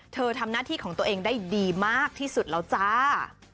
ทำหน้าที่ของตัวเองได้ดีมากที่สุดแล้วจ้า